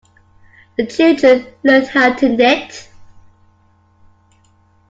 The children learned how to knit.